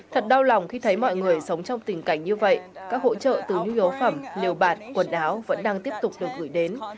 thật đau lòng khi thấy mọi người sống trong tình cảnh như vậy các hỗ trợ từ nhu yếu phẩm liều bạt quần áo vẫn đang tiếp tục được gửi đến